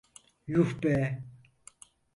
Yuh be!